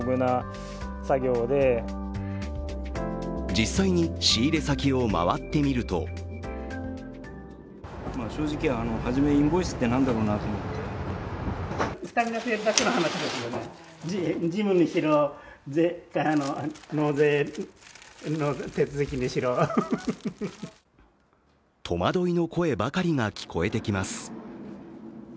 実際に仕入れ先を回ってみると戸惑いの声ばかりが聞こえてきます。